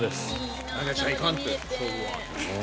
投げちゃいかん、勝負はって。